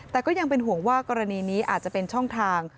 แต่ก็ยังเป็นห่วงว่ากรณีนี้อาจจะเป็นช่องทาง